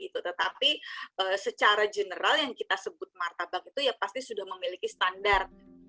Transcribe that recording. tetapi secara general yang kita sebut martabak itu ya pasti sudah memiliki standar